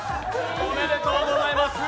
おめでとうございます。